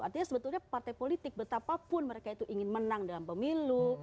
artinya sebetulnya partai politik betapapun mereka itu ingin menang dalam pemilu